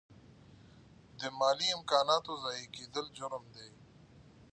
د مالي امکاناتو ضایع کیدل جرم دی.